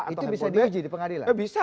itu bisa di uji di pengadilan ya bisa